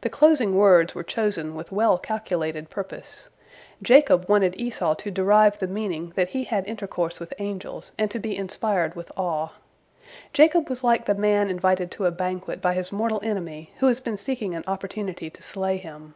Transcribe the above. The closing words were chosen with well calculated purpose. Jacob wanted Esau to derive the meaning that he had intercourse with angels, and to be inspired with awe. Jacob was like the man invited to a banquet by his mortal enemy who has been seeking an opportunity to slay him.